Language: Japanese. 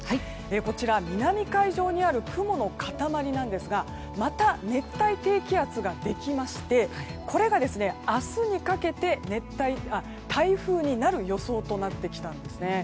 こちら、南海上にある雲の塊なんですがまた熱帯低気圧ができましてこれが明日にかけて台風になる予想となってきたんです。